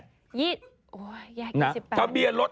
โอ้โฮแยก๒๘นะคำเบียร์ลด๕๕๙๕